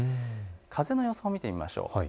風の予想を見てみましょう。